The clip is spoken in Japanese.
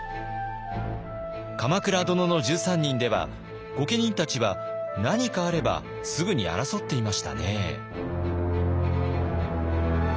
「鎌倉殿の１３人」では御家人たちは何かあればすぐに争っていましたね。